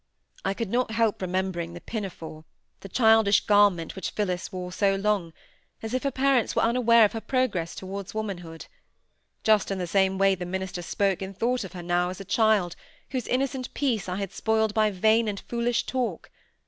I could not help remembering the pinafore, the childish garment which Phillis wore so long, as if her parents were unaware of her progress towards womanhood. Just in the same way the minister spoke and thought of her now, as a child, whose innocent peace I had spoiled by vain and foolish talk.